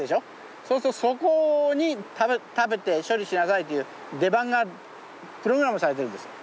そうするとそこに食べて処理しなさいという出番がプログラムされてるんです。